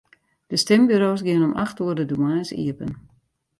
De stimburo's geane om acht oere de moarns iepen.